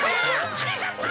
はなかっぱ！